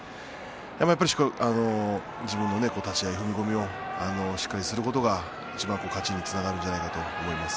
やはり自分の立ち合い踏み込みをしっかりとすることが一番の勝ちにつながると思います。